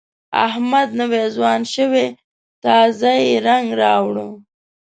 احمد نوی ځوان شوی، تازه یې رنګ راوړ.